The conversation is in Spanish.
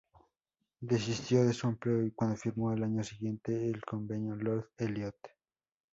Desistió de su empleo cuando firmó al año siguiente el Convenio Lord Eliot.